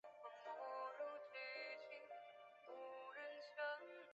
现校舍为香港大学专业进修学院机构附属明德学院。